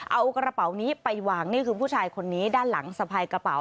เอากระเป๋านี้ไปวางนี่คือผู้ชายคนนี้ด้านหลังสะพายกระเป๋า